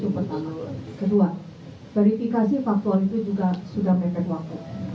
kedua verifikasi faktual itu juga sudah mepet waktu